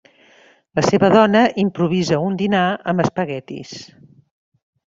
La seva dona improvisa un dinar amb espaguetis.